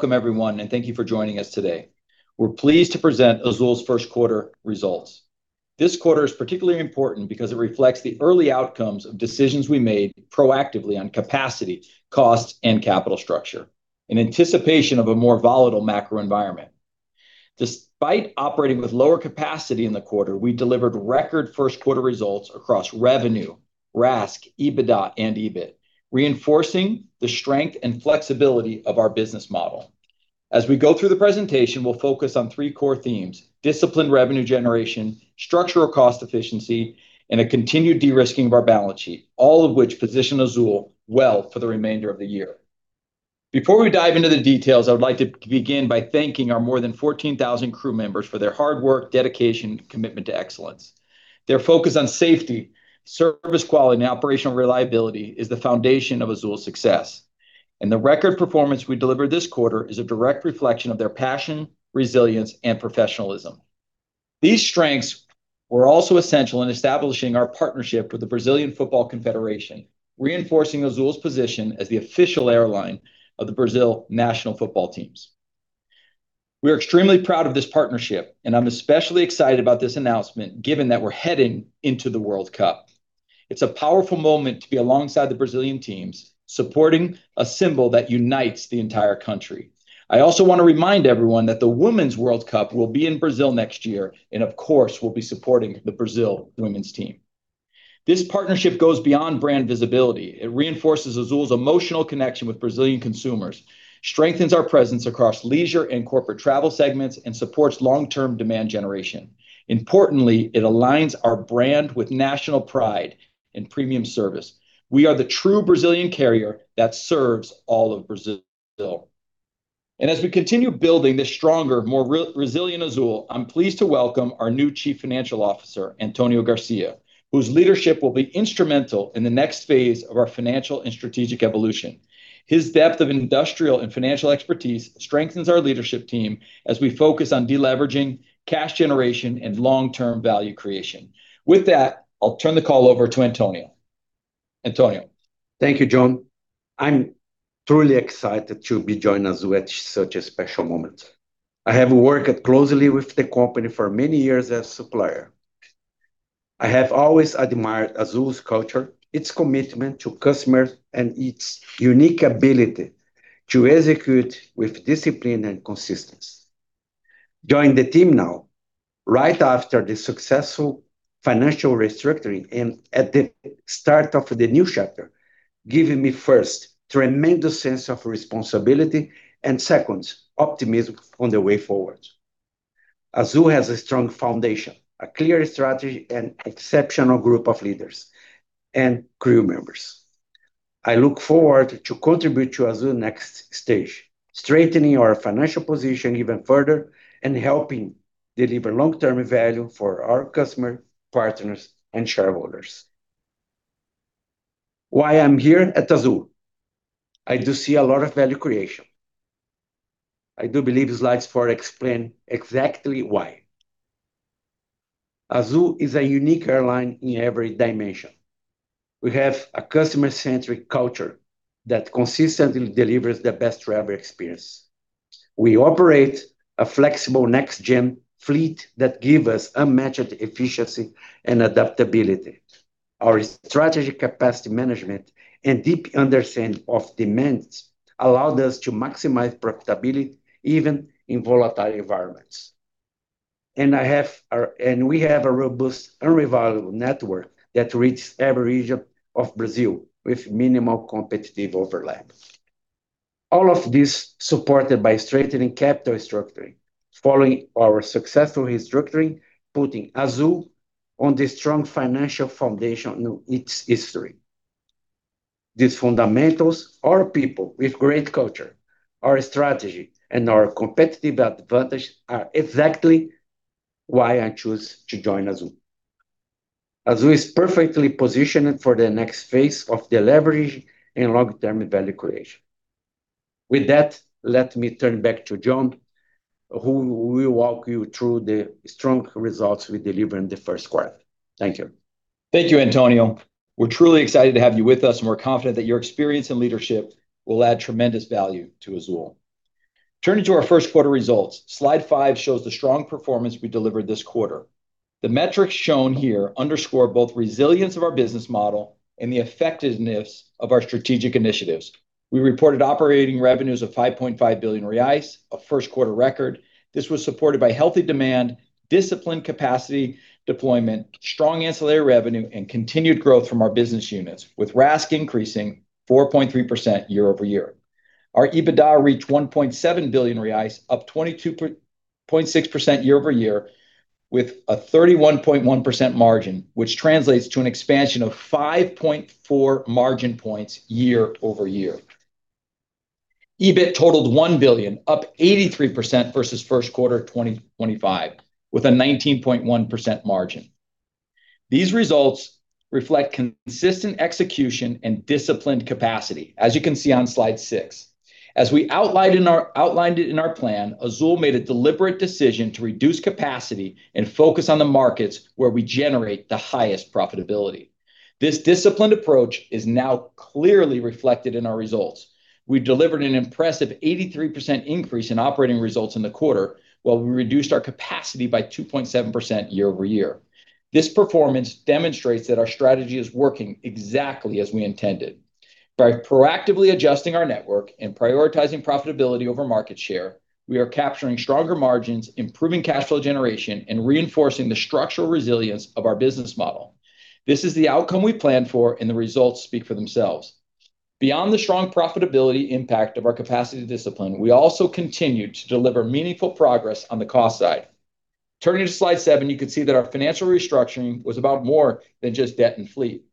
Welcome everyone, and thank you for joining us today. We're pleased to present Azul's first quarter results. This quarter is particularly important because it reflects the early outcomes of decisions we made proactively on capacity, cost, and capital structure in anticipation of a more volatile macro environment. Despite operating with lower capacity in the quarter, we delivered record first quarter results across revenue, RASK, EBITDA and EBIT, reinforcing the strength and flexibility of our business model. As we go through the presentation, we'll focus on three core themes: disciplined revenue generation, structural cost efficiency, and a continued de-risking of our balance sheet, all of which position Azul well for the remainder of the year. Before we dive into the details, I would like to begin by thanking our more than 14,000 crew members for their hard work, dedication, commitment to excellence. Their focus on safety, service quality and operational reliability is the foundation of Azul's success. The record performance we delivered this quarter is a direct reflection of their passion, resilience, and professionalism. These strengths were also essential in establishing our partnership with the Brazilian Football Confederation, reinforcing Azul's position as the official airline of the Brazil national football teams. We are extremely proud of this partnership. I'm especially excited about this announcement, given that we're heading into the World Cup. It's a powerful moment to be alongside the Brazilian teams, supporting a symbol that unites the entire country. I also want to remind everyone that the Women's World Cup will be in Brazil next year. Of course, we'll be supporting the Brazil women's team. This partnership goes beyond brand visibility. It reinforces Azul's emotional connection with Brazilian consumers, strengthens our presence across leisure and corporate travel segments, and supports long-term demand generation. Importantly, it aligns our brand with national pride and premium service. We are the true Brazilian carrier that serves all of Brazil. As we continue building this stronger, more resilient Azul, I'm pleased to welcome our new Chief Financial Officer, Antonio Garcia, whose leadership will be instrumental in the next phase of our financial and strategic evolution. His depth of industrial and financial expertise strengthens our leadership team as we focus on de-leveraging cash generation and long-term value creation. With that, I'll turn the call over to Antonio. Antonio? Thank you, John. I'm truly excited to be joining Azul at such a special moment. I have worked closely with the company for many years as supplier. I have always admired Azul's culture, its commitment to customers, and its unique ability to execute with discipline and consistency. Joining the team now, right after the successful financial restructuring and at the start of the new chapter, giving me, first, tremendous sense of responsibility, and second, optimism on the way forward. Azul has a strong foundation, a clear strategy, and exceptional group of leaders and crew members. I look forward to contribute to Azul next stage, strengthening our financial position even further, and helping deliver long-term value for our customer, partners, and shareholders. Why I'm here at Azul? I do see a lot of value creation. I do believe slides four explain exactly why. Azul is a unique airline in every dimension. We have a customer-centric culture that consistently delivers the best travel experience. We operate a flexible next-gen fleet that give us unmatched efficiency and adaptability. Our strategic capacity management and deep understanding of demands allowed us to maximize profitability even in volatile environments. We have a robust, unrivalable network that reaches every region of Brazil with minimal competitive overlap. All of this supported by strengthening capital structuring following our successful restructuring, putting Azul on the strong financial foundation in its history. These fundamentals are people with great culture. Our strategy and our competitive advantage are exactly why I choose to join Azul. Azul is perfectly positioned for the next phase of deleverage and long-term value creation. With that, let me turn back to John, who will walk you through the strong results we deliver in the first quarter. Thank you. Thank you, Antonio. We're truly excited to have you with us, and we're confident that your experience and leadership will add tremendous value to Azul. Turning to our first quarter results. Slide 5 shows the strong performance we delivered this quarter. The metrics shown here underscore both resilience of our business model and the effectiveness of our strategic initiatives. We reported operating revenues of 5.5 billion reais, a first quarter record. This was supported by healthy demand, disciplined capacity deployment, strong ancillary revenue, and continued growth from our business units, with RASK increasing 4.3% year-over-year. Our EBITDA reached 1.7 billion reais, up 22.6% year-over-year, with a 31.1% margin, which translates to an expansion of 5.4 margin points year-over-year. EBIT totaled 1 billion, up 83% versus first quarter 2025, with a 19.1% margin. These results reflect consistent execution and disciplined capacity, as you can see on slide 6. As we outlined it in our plan, Azul made a deliberate decision to reduce capacity and focus on the markets where we generate the highest profitability. This disciplined approach is now clearly reflected in our results. We delivered an impressive 83% increase in operating results in the quarter, while we reduced our capacity by 2.7% year-over-year. This performance demonstrates that our strategy is working exactly as we intended. By proactively adjusting our network and prioritizing profitability over market share, we are capturing stronger margins, improving cash flow generation, and reinforcing the structural resilience of our business model. This is the outcome we planned for, and the results speak for themselves. Beyond the strong profitability impact of our capacity discipline, we also continued to deliver meaningful progress on the cost side. Turning to slide 7, you can see that our financial restructuring was about more than just debt and fleet.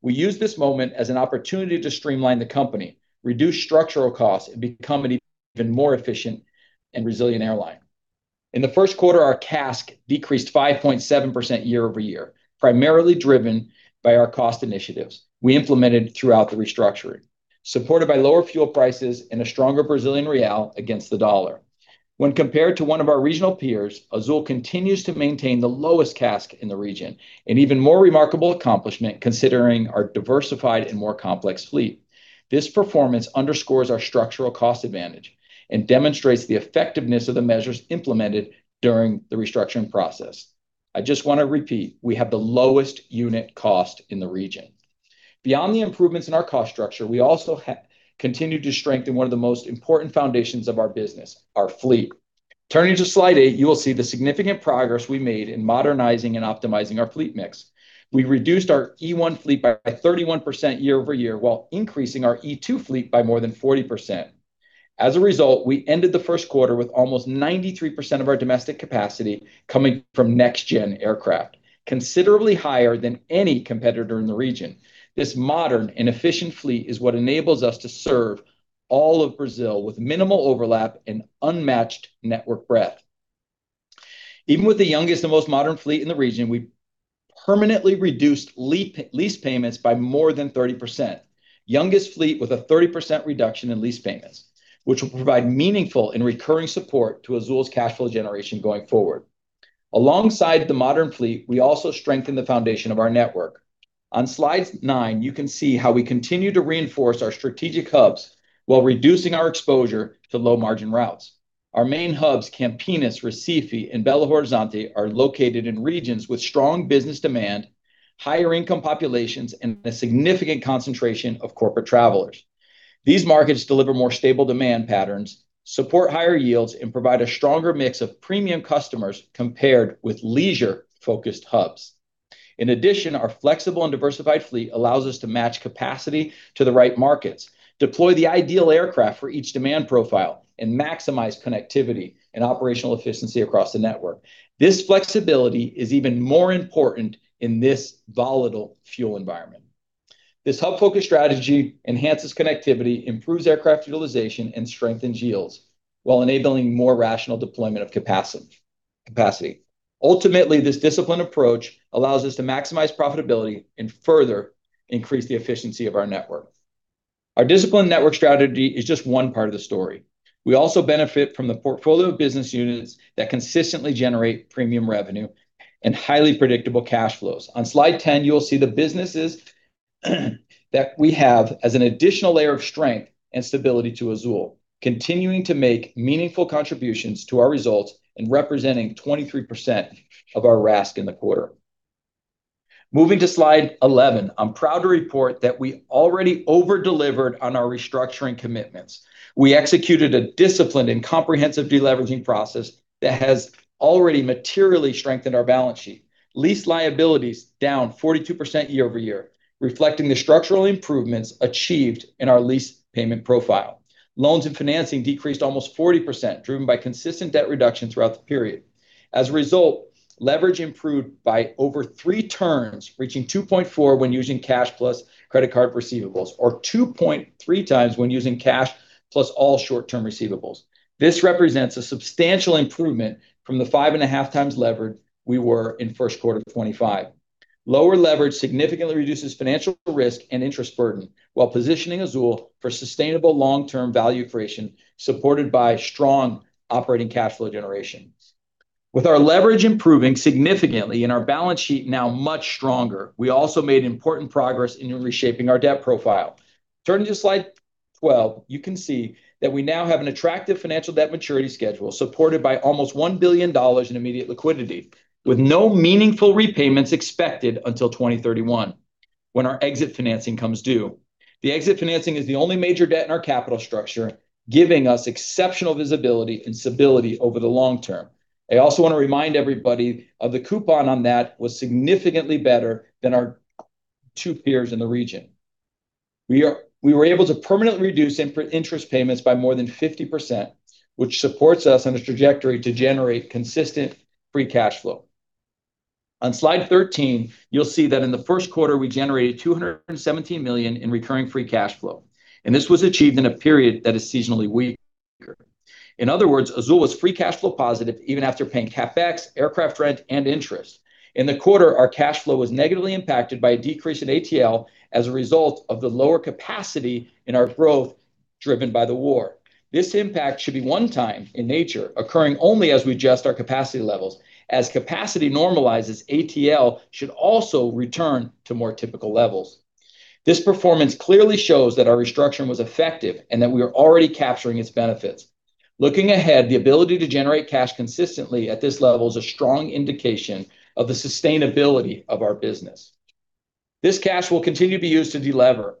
We used this moment as an opportunity to streamline the company, reduce structural costs, and become an even more efficient and resilient airline. In the first quarter, our CASK decreased 5.7% year-over-year, primarily driven by our cost initiatives we implemented throughout the restructuring, supported by lower fuel prices and a stronger Brazilian Real against the U.S. dollar. When compared to one of our regional peers, Azul continues to maintain the lowest CASK in the region, an even more remarkable accomplishment considering our diversified and more complex fleet. This performance underscores our structural cost advantage and demonstrates the effectiveness of the measures implemented during the restructuring process. I just want to repeat, we have the lowest unit cost in the region. Beyond the improvements in our cost structure, we also continued to strengthen one of the most important foundations of our business, our fleet. Turning to slide 8, you will see the significant progress we made in modernizing and optimizing our fleet mix. We reduced our E1 fleet by 31% year-over-year, while increasing our E2 fleet by more than 40%. As a result, we ended the first quarter with almost 93% of our domestic capacity coming from next-gen aircraft, considerably higher than any competitor in the region. This modern and efficient fleet is what enables us to serve all of Brazil with minimal overlap and unmatched network breadth. Even with the youngest and most modern fleet in the region, we permanently reduced lease payments by more than 30%. Youngest fleet with a 30% reduction in lease payments, which will provide meaningful and recurring support to Azul's cash flow generation going forward. Alongside the modern fleet, we also strengthened the foundation of our network. On slide 9, you can see how we continue to reinforce our strategic hubs while reducing our exposure to low-margin routes. Our main hubs, Campinas, Recife, and Belo Horizonte, are located in regions with strong business demand, higher income populations, and a significant concentration of corporate travelers. These markets deliver more stable demand patterns, support higher yields, and provide a stronger mix of premium customers compared with leisure-focused hubs. In addition, our flexible and diversified fleet allows us to match capacity to the right markets, deploy the ideal aircraft for each demand profile, and maximize connectivity and operational efficiency across the network. This flexibility is even more important in this volatile fuel environment. This hub-focused strategy enhances connectivity, improves aircraft utilization, and strengthens yields while enabling more rational deployment of capacity. Ultimately, this disciplined approach allows us to maximize profitability and further increase the efficiency of our network. Our disciplined network strategy is just one part of the story. We also benefit from the portfolio of business units that consistently generate premium revenue and highly predictable cash flows. On slide 10, you will see the businesses that we have as an additional layer of strength and stability to Azul, continuing to make meaningful contributions to our results and representing 23% of our RASK in the quarter. Moving to slide 11, I'm proud to report that we already over-delivered on our restructuring commitments. We executed a disciplined and comprehensive de-leveraging process that has already materially strengthened our balance sheet. Lease liabilities down 42% year-over-year, reflecting the structural improvements achieved in our lease payment profile. Loans and financing decreased almost 40%, driven by consistent debt reduction throughout the period. As a result leverage improved by over 3 turns, reaching 2.4 when using cash plus credit card receivables, or 2.3x when using cash plus all short-term receivables. This represents a substantial improvement from the 5.5x levered we were in first quarter 2025. Lower leverage significantly reduces financial risk and interest burden, while positioning Azul for sustainable long-term value creation, supported by strong operating cash flow generations. With our leverage improving significantly and our balance sheet now much stronger, we also made important progress in reshaping our debt profile. Turning to slide 12, you can see that we now have an attractive financial debt maturity schedule supported by almost $1 billion in immediate liquidity, with no meaningful repayments expected until 2031, when our exit financing comes due. The exit financing is the only major debt in our capital structure, giving us exceptional visibility and stability over the long term. I also want to remind everybody of the coupon on that was significantly better than our two peers in the region. We were able to permanently reduce interest payments by more than 50%, which supports us on a trajectory to generate consistent free cash flow. On slide 13, you'll see that in the first quarter, we generated 217 million in recurring free cashflow, and this was achieved in a period that is seasonally weaker. In other words, Azul was free cashflow positive even after paying CapEx, aircraft rent, and interest. In the quarter, our cashflow was negatively impacted by a decrease in ATL as a result of the lower capacity in our growth driven by the war. This impact should be one time in nature, occurring only as we adjust our capacity levels. As capacity normalizes, ATL should also return to more typical levels. This performance clearly shows that our restructuring was effective and that we are already capturing its benefits. Looking ahead, the ability to generate cash consistently at this level is a strong indication of the sustainability of our business. This cash will continue to be used to delever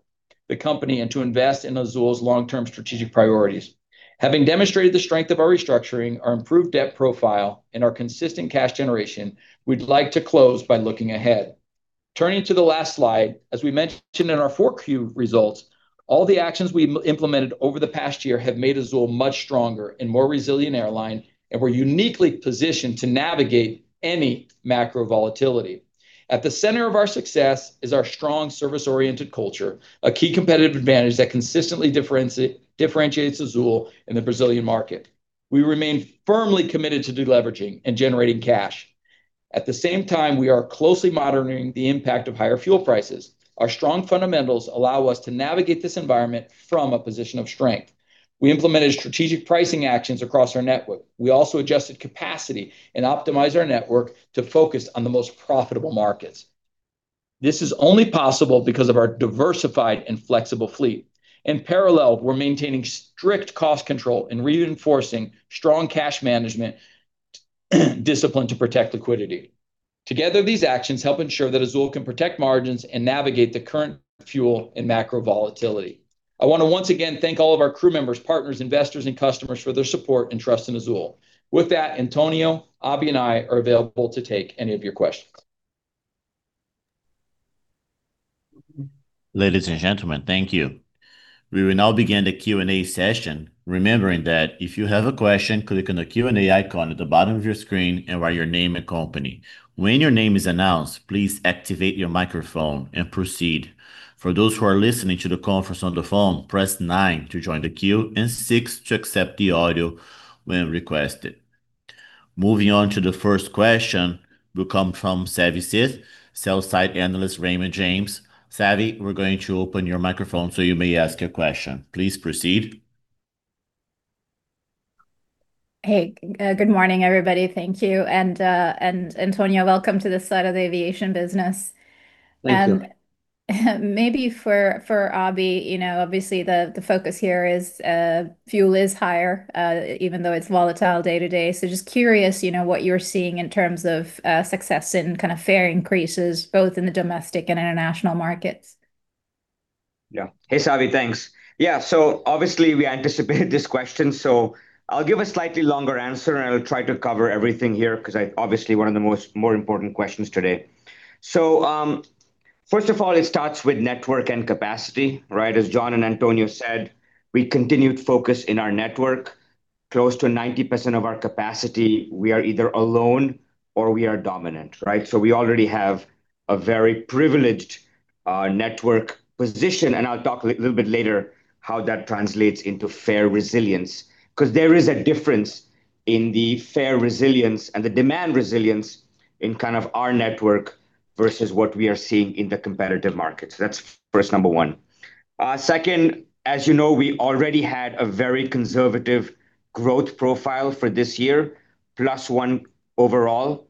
the company and to invest in Azul's long-term strategic priorities. Having demonstrated the strength of our restructuring, our improved debt profile, and our consistent cash generation, we'd like to close by looking ahead. Turning to the last slide, as we mentioned in our 4Q results, all the actions we implemented over the past year have made Azul much stronger and more resilient airline. We're uniquely positioned to navigate any macro volatility. At the center of our success is our strong service-oriented culture, a key competitive advantage that consistently differentiates Azul in the Brazilian market. We remain firmly committed to deleveraging and generating cash. At the same time, we are closely monitoring the impact of higher fuel prices. Our strong fundamentals allow us to navigate this environment from a position of strength. We implemented strategic pricing actions across our network. We also adjusted capacity and optimized our network to focus on the most profitable markets. This is only possible because of our diversified and flexible fleet. In parallel, we're maintaining strict cost control and reinforcing strong cash management discipline to protect liquidity. Together, these actions help ensure that Azul can protect margins and navigate the current fuel and macro volatility. I want to once again thank all of our crew members, partners, investors, and customers for their support and trust in Azul. With that, Antonio, Abhi, and I are available to take any of your questions. Ladies and gentlemen, thank you. We will now begin the Q&A session, remembering that if you have a question, click on the Q&A icon at the bottom of your screen and write your name and company. When your name is announced, please activate your microphone and proceed. For those who are listening to the conference on the phone, press nine to join the queue and six to accept the audio when requested. Moving on to the first question will come from Savi Syth, sell-side analyst, Raymond James. Savi, we're going to open your microphone so you may ask your question. Please proceed. Hey, good morning, everybody. Thank you. Antonio, welcome to the side of the aviation business. Thank you. maybe for Abhi, you know, obviously the focus here is fuel is higher, even though it's volatile day to day. just curious, you know, what you're seeing in terms of success in kind of fare increases both in the domestic and international markets. Yeah. Hey, Savi, thanks. Yeah. Obviously we anticipated this question, so I'll give a slightly longer answer, and I'll try to cover everything here because obviously one of the most more important questions today. First of all, it starts with network and capacity, right? As John and Antonio said, we continued focus in our network. Close to 90% of our capacity, we are either alone or we are dominant, right? We already have a very privileged network position, and I'll talk a little bit later how that translates into fare resilience. 'Cause there is a difference in the fare resilience and the demand resilience in kind of our network versus what we are seeing in the competitive markets. That's first, number 1. Second, as you know, we already had a very conservative growth profile for this year, +1% overall.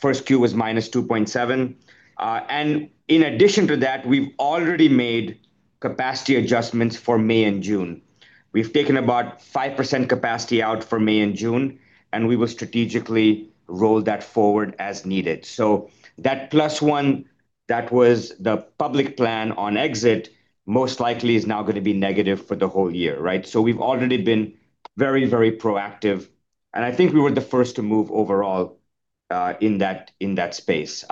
first Q was -2.7%. In addition to that, we've already made capacity adjustments for May and June. We've taken about 5% capacity out for May and June, and we will strategically roll that forward as needed. That +1% that was the public plan on exit most likely is now going to be negative for the whole year, right? We've already been very, very proactive, and I think we were the first to move overall in that space.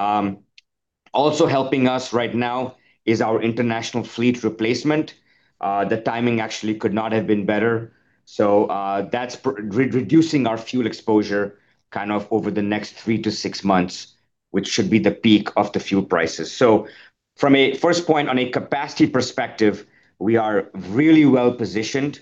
Also helping us right now is our international fleet replacement. The timing actually could not have been better. That's reducing our fuel exposure kind of over the next three to six months, which should be the peak of the fuel prices. From a first point on a capacity perspective, we are really well-positioned,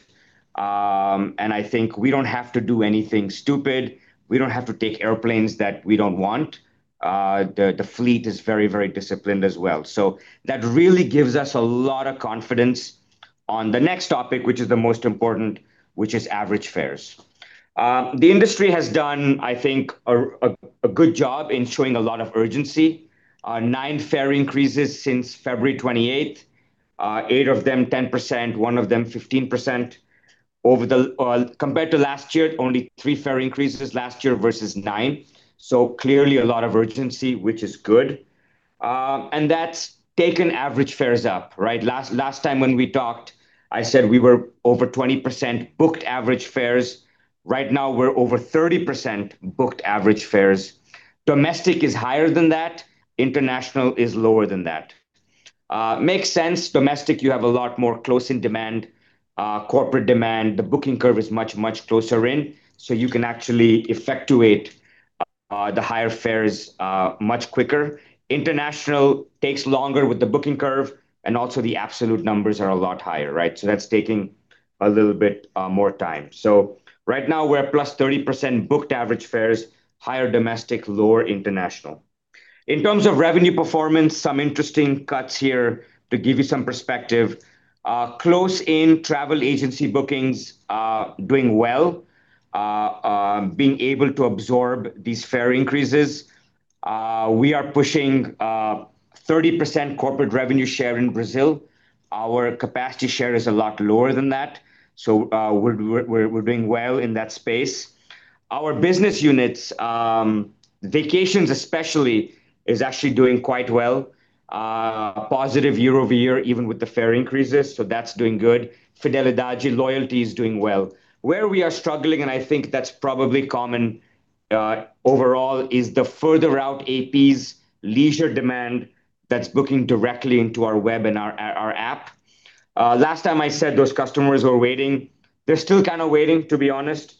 and I think we don't have to do anything stupid. We don't have to take airplanes that we don't want. The fleet is very disciplined as well. That really gives us a lot of confidence on the next topic, which is the most important, which is average fares. The industry has done, I think, a good job in showing a lot of urgency. Nine fare increases since February 28th, eight of them 10%, one of them 15% compared to last year, only three fare increases last year versus nine. Clearly a lot of urgency, which is good. That's taken average fares up, right? Last time when we talked, I said we were over 20% booked average fares. Right now, we're over 30% booked average fares. Domestic is higher than that. International is lower than that. Makes sense. Domestic, you have a lot more close-in demand, corporate demand. The booking curve is much, much closer in, so you can actually effectuate the higher fares much quicker. International takes longer with the booking curve, and also the absolute numbers are a lot higher, right? That's taking a little bit more time. Right now we're at +30% booked average fares, higher domestic, lower international. In terms of revenue performance, some interesting cuts here to give you some perspective. Close in travel agency bookings are doing well, being able to absorb these fare increases. We are pushing 30% corporate revenue share in Brazil. Our capacity share is a lot lower than that, we're doing well in that space. Our business units, vacations especially, is actually doing quite well. Positive year-over-year even with the fare increases, that's doing good. Fidelidade loyalty is doing well. Where we are struggling, and I think that's probably common, overall, is the further out APs leisure demand that's booking directly into our web and our app. Last time I said those customers were waiting, they're still kind of waiting to be honest,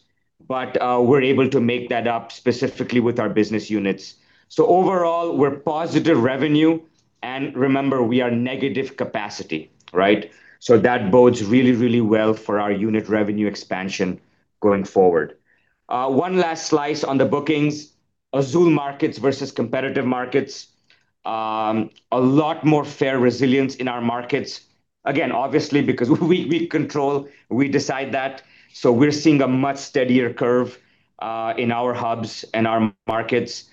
but we're able to make that up specifically with our business units. Overall we're positive revenue, and remember, we are negative capacity, right? That bodes really, really well for our unit revenue expansion going forward. One last slice on the bookings. Azul markets versus competitive markets. A lot more fare resilience in our markets. Again, obviously because we control, we decide that, so we're seeing a much steadier curve, in our hubs and our markets.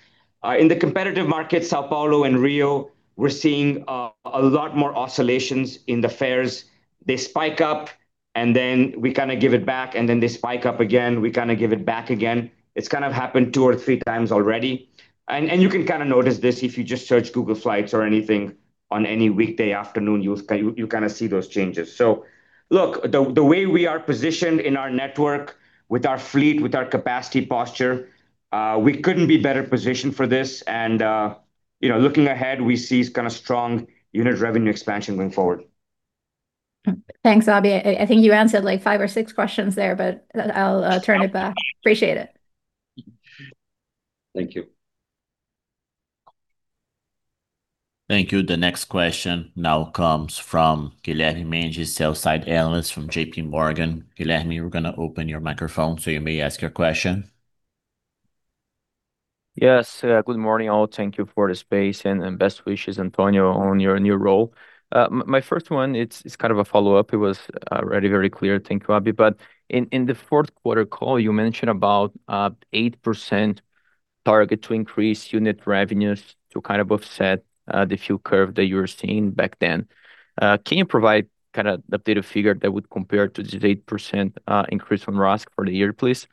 In the competitive market, São Paulo and Rio, we're seeing, a lot more oscillations in the fares. They spike up and then we kind of give it back, and then they spike up again, we kind of give it back again. It's kind of happened two or three times already. You can kind of notice this if you just search Google Flights or anything on any weekday afternoon, you'll kind of see those changes. Look, the way we are positioned in our network with our fleet, with our capacity posture, we couldn't be better positioned for this and, you know, looking ahead, we see kind of strong unit revenue expansion going forward. Thanks, Abhi. I think you answered, like, five or six questions there, but I'll turn it back. Appreciate it. Thank you. Thank you. The next question now comes from Guilherme Mendes, sell side analyst from JPMorgan. Guilherme, we're gonna open your microphone so you may ask your question. Yes. Good morning all. Thank you for the space, and best wishes, Antonio, on your new role. My first one, it's kind of a follow-up. It was very clear, thank you, Abhi. In the fourth quarter call, you mentioned about 8% target to increase unit revenues to kind of offset the fuel curve that you were seeing back then. Can you provide kind of updated figure that would compare to this 8% increase from RASK for the year, please?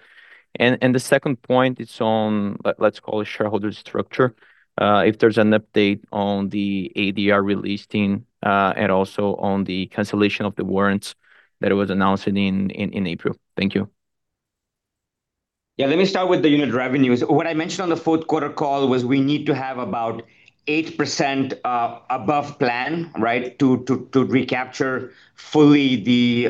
The second point is on let's call it shareholder structure, if there's an update on the ADR relisting, and also on the cancellation of the warrants that was announced in April. Thank you. Yeah, let me start with the unit revenues. What I mentioned on the fourth quarter call was we need to have about 8% above plan, right? To recapture fully the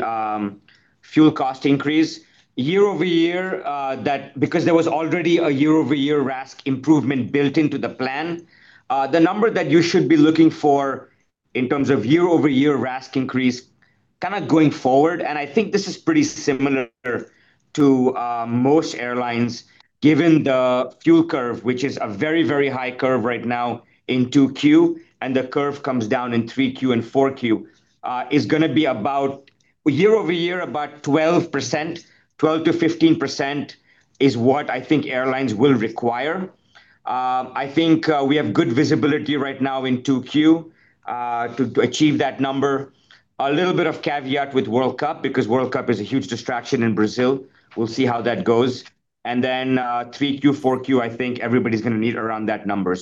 fuel cost increase. Year-over-year, that because there was already a year-over-year RASK improvement built into the plan, the number that you should be looking for in terms of year-over-year RASK increase kind of going forward, and I think this is pretty similar to most airlines, given the fuel curve, which is a very, very high curve right now in 2Q, and the curve comes down in 3Q and 4Q, is gonna be about year-over-year about 12%. 12%-15% is what I think airlines will require. I think we have good visibility right now in 2Q to achieve that number. A little bit of caveat with World Cup, because World Cup is a huge distraction in Brazil. We'll see how that goes. 3Q, 4Q, I think everybody's gonna need around that number.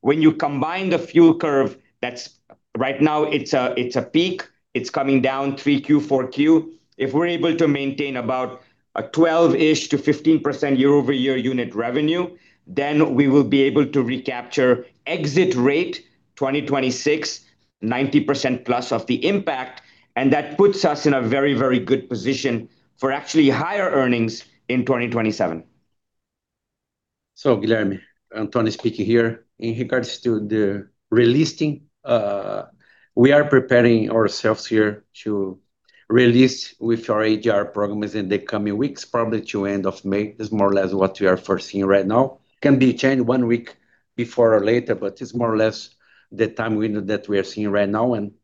When you combine the fuel curve that's right now it's a peak, it's coming down 3Q, 4Q. If we're able to maintain about a 12%-ish to 15% year-over-year unit revenue, then we will be able to recapture exit rate 2026, 90% plus of the impact, and that puts us in a very, very good position for actually higher earnings in 2027. Guilherme, Antonio speaking here. In regards to the relisting, we are preparing ourselves here to relist with our ADR programs in the coming weeks, probably to end of May. That's more or less what we are foreseeing right now. Can be changed one week before or later, but it's more or less the time window that we are seeing right now. In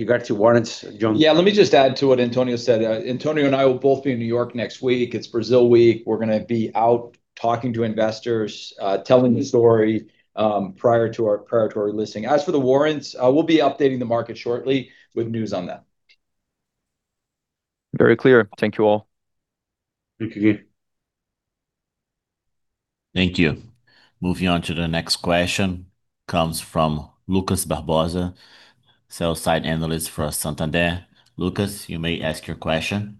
regards to warrants, John- Yeah, let me just add to what Antonio said. Antonio and I will both be in New York next week. It's Brazil week. We're gonna be out talking to investors, telling the story, prior to our listing. As for the warrants, we'll be updating the market shortly with news on that. Very clear. Thank you all. Thank you. Thank you. Moving on to the next question, comes from Lucas Barbosa, sell side analyst for Santander. Lucas, you may ask your question.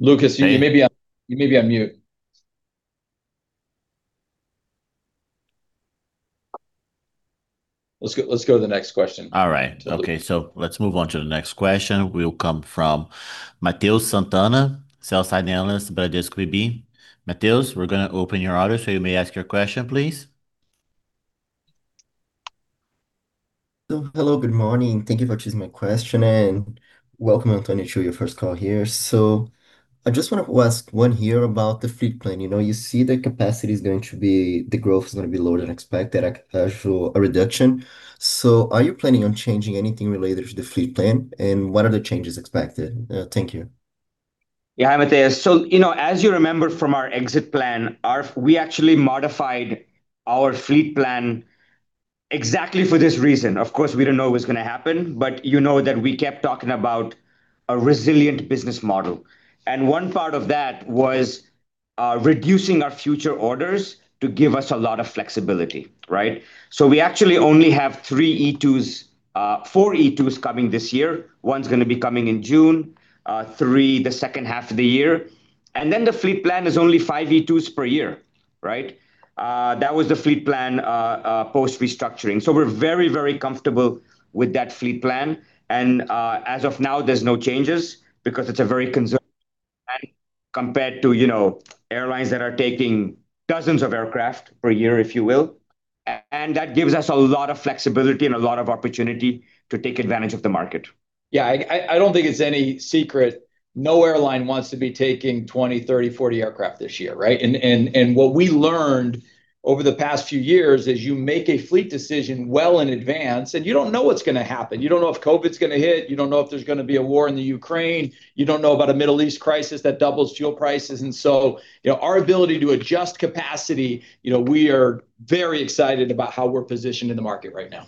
Lucas, you may be on mute. Let's go to the next question. All right. Okay, let's move on to the next question, will come from Matheus Sant'Anna, sell-side analyst, Bradesco BBI. Matheus, we're gonna open your audio so you may ask your question, please. Hello, good morning. Thank you for choosing my question, and welcome, Antonio, to your first call here. I just wanted to ask one here about the fleet plan. You know, you see the capacity's going to be, the growth is going to be lower than expected, actually a reduction. Are you planning on changing anything related to the fleet plan, and what are the changes expected? Thank you. Yeah, Matheus, you know, as you remember from our exit plan, we actually modified our fleet plan exactly for this reason. Of course, we didn't know it was gonna happen, but you know that we kept talking about a resilient business model, and one part of that was, reducing our future orders to give us a lot of flexibility, right? We actually only have four E2s coming this year. One's gonna be coming in June, three the second half of the year. The fleet plan is only five E2s per year, right? That was the fleet plan, post-restructuring. We're very, very comfortable with that fleet plan and, as of now there's no changes because it's a very conserved plan compared to, you know, airlines that are taking dozens of aircraft per year, if you will. That gives us a lot of flexibility and a lot of opportunity to take advantage of the market. Yeah, I don't think it's any secret no airline wants to be taking 20, 30, 40 aircraft this year, right? What we learned over the past few years is you make a fleet decision well in advance, and you don't know what's gonna happen. You don't know if COVID's gonna hit, you don't know if there's gonna be a war in the Ukraine, you don't know about a Middle East crisis that doubles fuel prices. You know, our ability to adjust capacity, you know, we are very excited about how we're positioned in the market right now.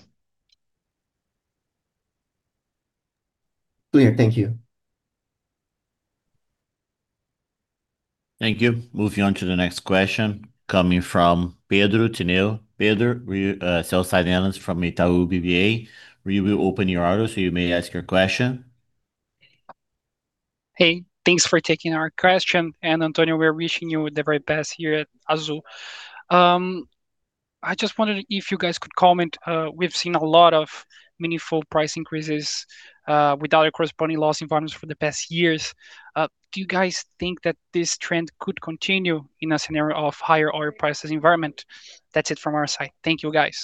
Clear. Thank you. Thank you. Moving on to the next question, coming from Pedro Tineo. Pedro, we, sell-side analyst from Itaú BBA, we will open your audio so you may ask your question. Hey, thanks for taking our question, and Antonio, we're wishing you the very best here at Azul. I just wondered if you guys could comment, we've seen a lot of meaningful price increases, without a corresponding loss in volumes for the past years. Do you guys think that this trend could continue in a scenario of higher oil prices environment? That's it from our side. Thank you, guys.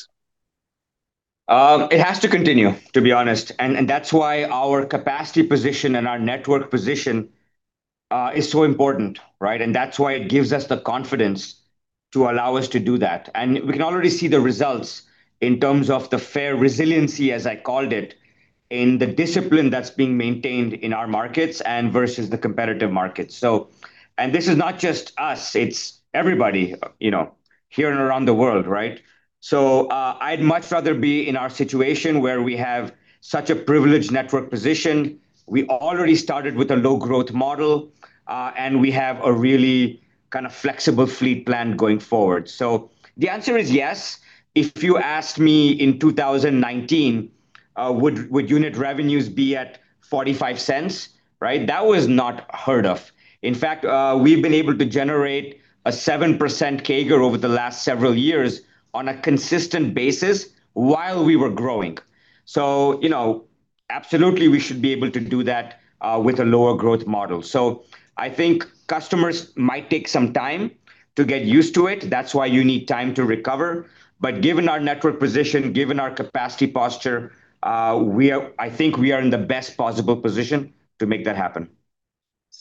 It has to continue, to be honest, that's why our capacity position and our network position is so important, right? That's why it gives us the confidence to allow us to do that. We can already see the results in terms of the fare resiliency, as I called it, in the discipline that's being maintained in our markets and versus the competitive markets. This is not just us, it's everybody, you know, here and around the world, right? I'd much rather be in our situation where we have such a privileged network position. We already started with a low growth model, we have a really kind of flexible fleet plan going forward. The answer is yes. If you asked me in 2019, would unit revenues be at 0.45, right? That was not heard of. In fact, we've been able to generate a 7% CAGR over the last several years on a consistent basis while we were growing. You know, absolutely we should be able to do that, with a lower growth model. I think customers might take some time to get used to it. That's why you need time to recover. Given our network position, given our capacity posture, we are, I think we are in the best possible position to make that happen.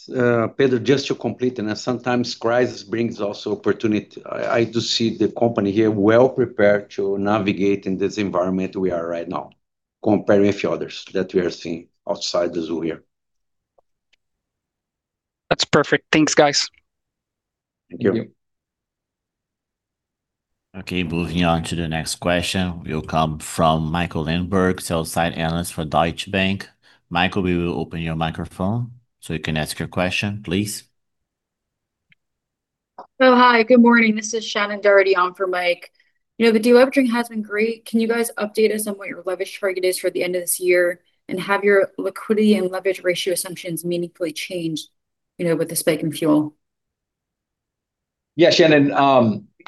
Pedro, just to complete. Sometimes crisis brings also opportunity. I do see the company here well prepared to navigate in this environment we are right now, comparing a few others that we are seeing outside Azul here. That's perfect. Thanks, guys. Thank you. Thank you. Okay, moving on to the next question. Will come from Michael Lindenberg, sell-side analyst for Deutsche Bank. Michael, we will open your microphone so you can ask your question, please. Oh, hi. Good morning. This is Shannon Doherty on for Mike. You know, the delevering has been great. Can you guys update us on what your leverage target is for the end of this year? Have your liquidity and leverage ratio assumptions meaningfully changed, you know, with the spike in fuel? Yeah, Shannon,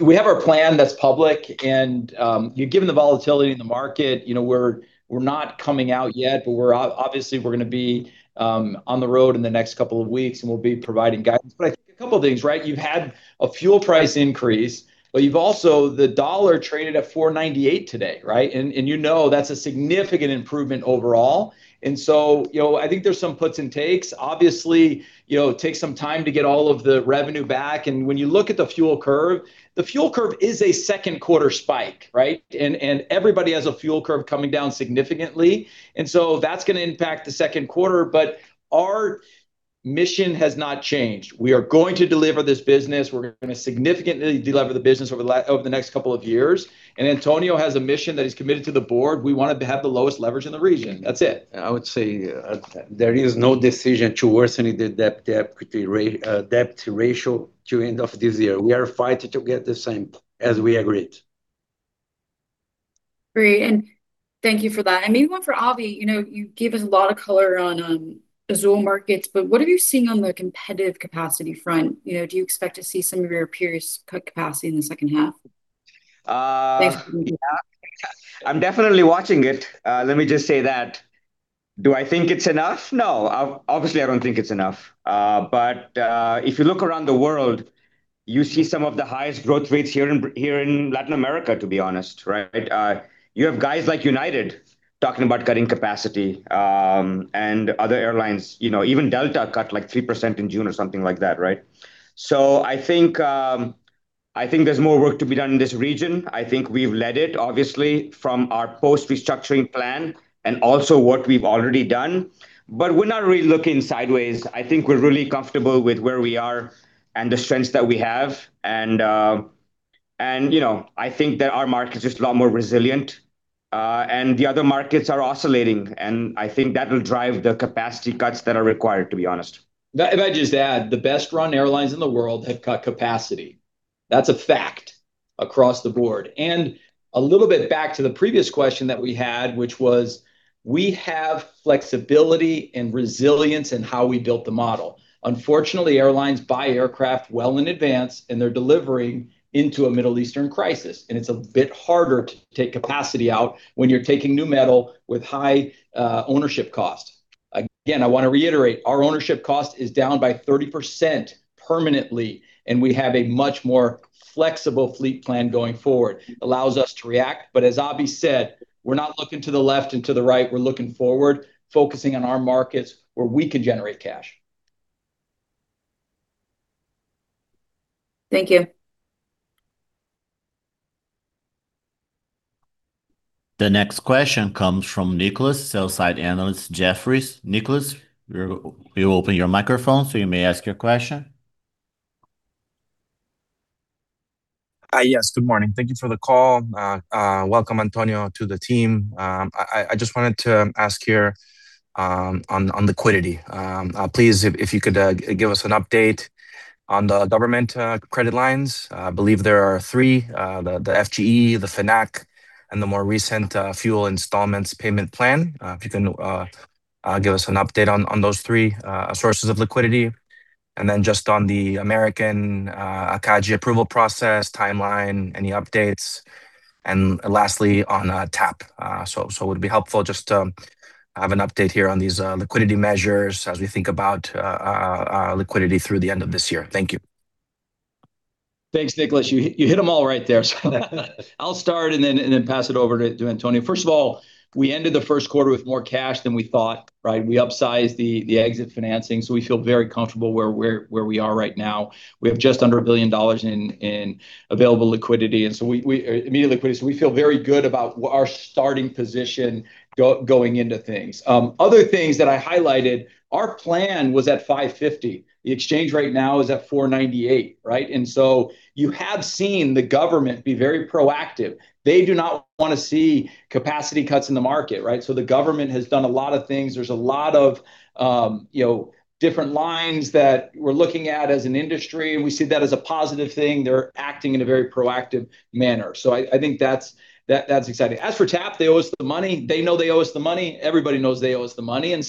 we have our plan that's public and, you know, given the volatility in the market, you know, we're not coming out yet, but we're obviously gonna be, on the road in the next couple of weeks and we'll be providing guidance. I think a couple things, right? You've had a fuel price increase, but you've also, the dollar traded at 4.98 today, right? You know that's a significant improvement overall. You know, I think there's some puts and takes. Obviously, you know, it takes some time to get all of the revenue back, and when you look at the fuel curve, the fuel curve is a second quarter spike, right? Everybody has a fuel curve coming down significantly, and so that's gonna impact the second quarter. Our mission has not changed. We are going to deliver this business. We're gonna significantly deliver the business over the next couple of years. Antonio has a mission that he's committed to the board. We want to have the lowest leverage in the region. That's it. I would say, there is no decision to worsening the debt to ratio to end of this year. We are fighting to get the same as we agreed. Great, and thank you for that. Maybe one for Abhi. You know, you gave us a lot of color on Azul markets, but what are you seeing on the competitive capacity front? You know, do you expect to see some of your peers cut capacity in the second half? Uh-I'm definitely watching it, let me just say that. Do I think it's enough? No. Obviously I don't think it's enough. If you look around the world, you see some of the highest growth rates here in Latin America, to be honest, right? You have guys like United talking about cutting capacity, and other airlines. You know, even Delta cut, like, 3% in June or something like that, right? I think there's more work to be done in this region. I think we've led it, obviously, from our post-restructuring plan and also what we've already done. We're not really looking sideways. I think we're really comfortable with where we are and the strengths that we have. you know, I think that our market is just a lot more resilient, and the other markets are oscillating, and I think that will drive the capacity cuts that are required, to be honest. If I just add, the best-run airlines in the world have cut capacity. That's a fact across the board. A little bit back to the previous question that we had, which was we have flexibility and resilience in how we built the model. Unfortunately, airlines buy aircraft well in advance, and they're delivering into a Middle Eastern crisis, and it's a bit harder to take capacity out when you're taking new metal with high ownership cost. Again, I want to reiterate, our ownership cost is down by 30% permanently, and we have a much more flexible fleet plan going forward. Allows us to react. As Abhi said, we're not looking to the left and to the right. We're looking forward, focusing on our markets where we can generate cash. Thank you. The next question comes from Nicholas, sell-side analyst Jefferies. Nicholas, we will open your microphone so you may ask your question. Yes. Good morning. Thank you for the call. Welcome Antonio to the team. I just wanted to ask here on liquidity. Please if you could give us an update on the government credit lines. I believe there are three, the FGE, the FNAC, and the more recent fuel installments payment plan. If you can give us an update on those three sources of liquidity. Just on the American ACG approval process timeline, any updates? Lastly, on TAP. It would be helpful just to have an update here on these liquidity measures as we think about liquidity through the end of this year. Thank you. Thanks, Nicholas. You hit them all right there. I'll start and then pass it over to Antonio. First of all, we ended the first quarter with more cash than we thought, right? We upsized the exit financing, so we feel very comfortable where we are right now. We have just under $1 billion in available liquidity and immediate liquidity, so we feel very good about our starting position going into things. Other things that I highlighted, our plan was at 5.50. The exchange right now is at 4.98, right? You have seen the government be very proactive. They do not want to see capacity cuts in the market, right? The government has done a lot of things. There's a lot of, you know, different lines that we're looking at as an industry, and we see that as a positive thing. They're acting in a very proactive manner. I think that's exciting. As for TAP, they owe us the money. They know they owe us the money. Everybody knows they owe us the money. I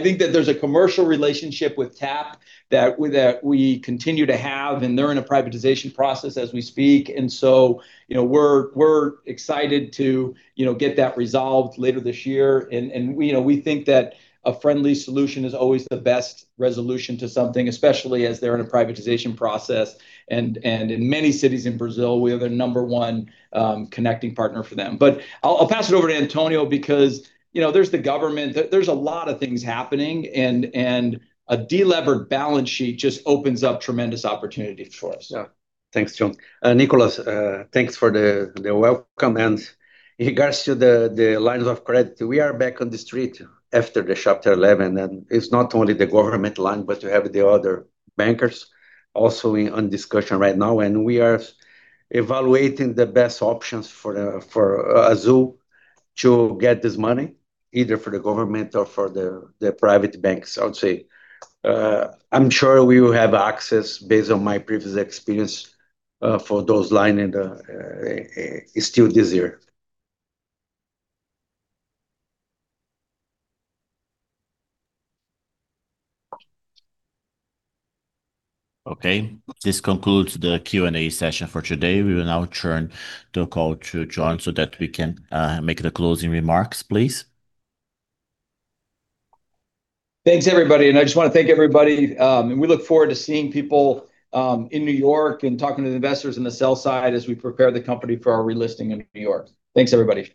think that there's a commercial relationship with TAP that we continue to have, and they're in a privatization process as we speak. You know, we're excited to, you know, get that resolved later this year. You know, we think that a friendly solution is always the best resolution to something, especially as they're in a privatization process. In many cities in Brazil, we are their number one connecting partner for them. I'll pass it over to Antonio because, you know, there's the government, there's a lot of things happening and a delevered balance sheet just opens up tremendous opportunity for us. Yeah. Thanks, John. Nicholas, thanks for the welcome. In regards to the lines of credit, we are back on the street after the Chapter 11, and it's not only the government line, but you have the other bankers also in on discussion right now, and we are evaluating the best options for Azul to get this money, either for the government or for the private banks, I would say. I'm sure we will have access based on my previous experience for those line in the still this year. Okay. This concludes the Q&A session for today. We will now turn the call to John so that we can make the closing remarks, please. Thanks, everybody, and I just want to thank everybody. We look forward to seeing people in New York and talking to the investors on the sell-side as we prepare the company for our relisting in New York. Thanks, everybody.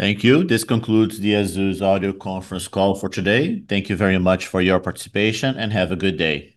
Thank you. This concludes the Azul's audio conference call for today. Thank you very much for your participation, and have a good day.